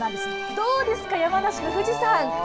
どうですか、山梨の富士山。